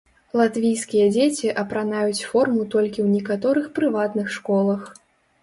Латвійскія дзеці апранаюць форму толькі ў некаторых прыватных школах.